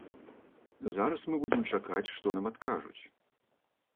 Зараз мы будзем чакаць, што нам адкажуць.